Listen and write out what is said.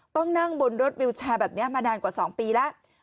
ต้องนั่งบนรถวิวแชร์แบบนี้มานานกว่า๒ปีแล้ว